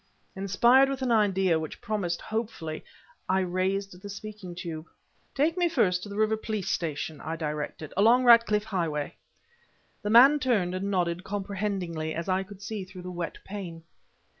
Inspired with an idea which promised hopefully, I raised the speaking tube. "Take me first to the River Police Station," I directed; "along Ratcliffe Highway." The man turned and nodded comprehendingly, as I could see through the wet pane.